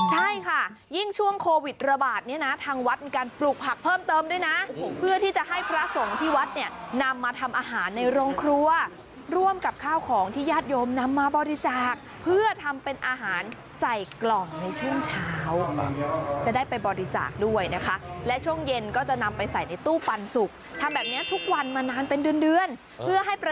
ใช่ค่ะยิ่งช่วงโควิดระบาดเนี่ยนะทางวัดมีการปลูกผักเพิ่มเติมด้วยนะเพื่อที่จะให้พระสงฆ์ที่วัดเนี่ยนำมาทำอาหารในโรงครัวร่วมกับข้าวของที่ญาติโยมนำมาบริจาคเพื่อทำเป็นอาหารใส่กล่องในช่วงเช้าจะได้ไปบริจาคด้วยนะคะและช่วงเย็นก็จะนำไปใส่ในตู้ปันสุกทำแบบนี้ทุกวันมานานเป็นเดือนเดือนเพื่อให้ประ